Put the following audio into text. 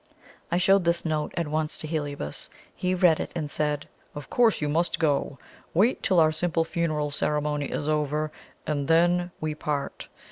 I showed this note at once to Heliobas. He read it, and said: "Of course you must go. Wait till our simple funeral ceremony is over, and then we part.